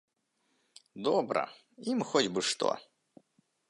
Добра, ім хоць бы што.